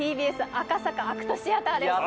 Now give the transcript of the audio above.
ＴＢＳ赤坂ＡＣＴシアターです